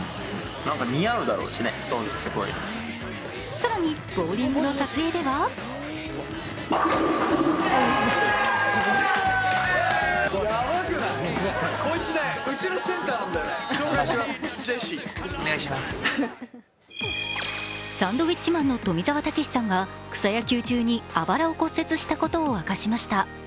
更に、ボウリングの撮影ではサンドウィッチマンの富澤たけしさんが草野球中にあばらを骨折したことを明かしました。